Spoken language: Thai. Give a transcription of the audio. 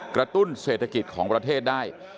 ตุ้นเศรษฐกิจของประเทศได้